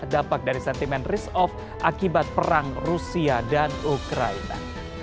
dampak dari sentimen risk off akibat perang rusia dan ukraina